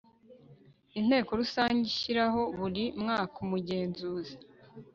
inteko rusange ishyiraho buri mwaka umugenzuzi